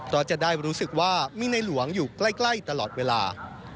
เพราะจะได้รู้สึกว่ามีในหลวงอยู่ใกล้ตลอดเวลา